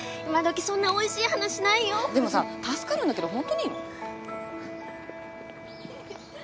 今どきそんなおいしい話ないよ。でもさ助かるんだけどホントにいいの？